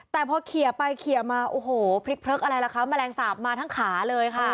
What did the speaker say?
แต่พอเขียไปเขียมาโอ้โหพลิกอะไรล่ะคะแมลงสาปมาทั้งขาเลยค่ะ